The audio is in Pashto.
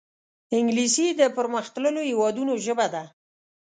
انګلیسي د پرمختللو هېوادونو ژبه ده